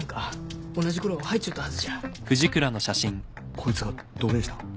こいつがどげんした？